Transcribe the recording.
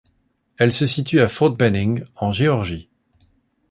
Elle se situe à Fort Benning, en Géorgie.